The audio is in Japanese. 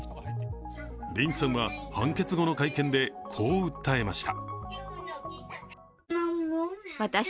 リンさんは、判決後の会見でこう訴えました。